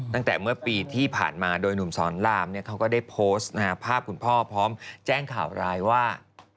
ตั้งแต่เมื่อปีที่ผ่านมาโดยหนุ่มสอนรามเขาก็ได้โพสต์ภาพคุณพ่อพร้อมแจ้งข่าวร้ายว่า